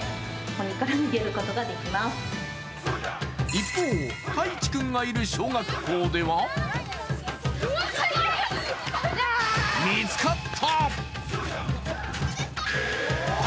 一方、たいちくんがいる小学校では見つかった。